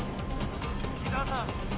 井沢さん。